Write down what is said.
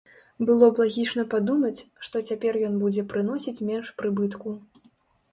Было б лагічна падумаць, што цяпер ён будзе прыносіць менш прыбытку.